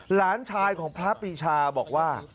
หลานชายของพระปีชาบอกว่า